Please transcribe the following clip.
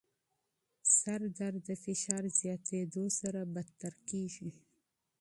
سردرد د فشار زیاتېدو سره بدتر کېږي.